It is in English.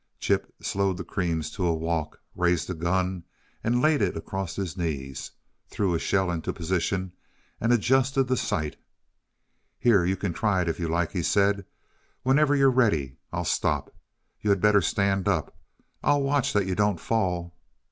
Chip slowed the creams to a walk, raised the gun and laid it across his knees, threw a shell into position and adjusted the sight. "Here, you can try, if you like," he said. "Whenever you're ready I'll stop. You had better stand up I'll watch that you don't fall.